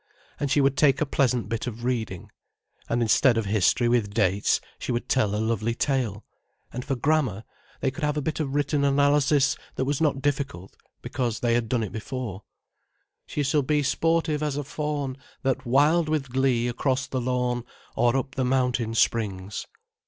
And she would take a pleasant bit of reading. And instead of history with dates, she would tell a lovely tale. And for grammar, they could have a bit of written analysis that was not difficult, because they had done it before: "She shall be sportive as a fawn That wild with glee across the lawn Or up the mountain springs."